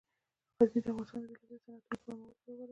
غزني د افغانستان د بیلابیلو صنعتونو لپاره مواد پوره برابروي.